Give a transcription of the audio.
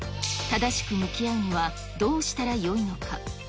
正しく向き合うにはどうしたらよいのか。